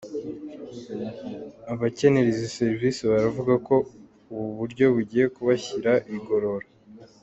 Abakenera izi serivisi baravuga ko ubu buryo bugiye kubashyira igorora.